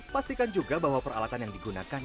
pastikan juga bahwa peralatan yang digunakan